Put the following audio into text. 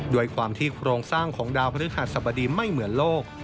ด้วยความที่โครงสร้างของดาวพฤหัสบดีไม่เหมือนโลก